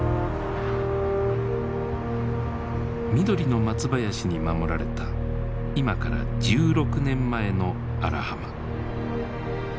緑の松林に守られた今から１６年前の荒浜。